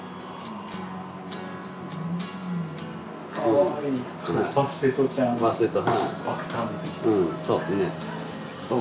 うんそうですね。